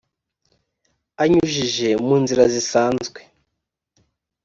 anyujije mu nzira zisanzwe